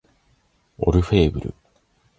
オルフェーヴル